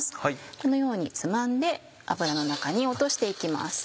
このようにつまんで油の中に落として行きます。